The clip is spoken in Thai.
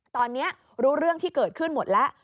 ตอนนี้รู้เรื่องที่เกิดขึ้นหมดแล้ว